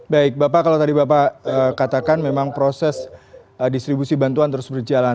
baik bapak kalau tadi bapak katakan memang proses distribusi bantuan terus berjalan